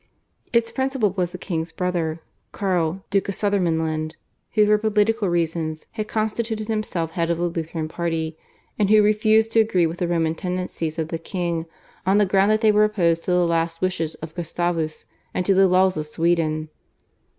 Its principal was the king's brother, Karl, Duke of Suthermanland, who for political reasons had constituted himself head of the Lutheran party, and who refused to agree with the Roman tendencies of the king on the ground that they were opposed to the last wishes of Gustavus and to the laws of Sweden.